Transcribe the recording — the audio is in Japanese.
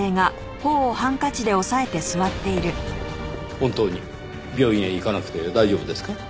本当に病院へ行かなくて大丈夫ですか？